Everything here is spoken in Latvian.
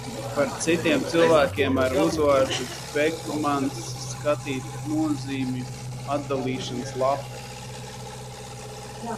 Par citiem cilvēkiem ar uzvārdu Pekmans skatīt nozīmju atdalīšanas lapu.